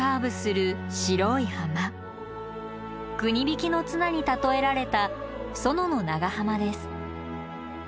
国引きの綱に例えられた薗の長浜です